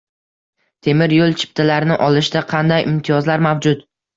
Temir yo‘l chiptalarini olishda qanday imtiyozlar mavjud?